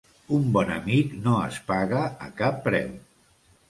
Un bon amic no es paga a cap preu.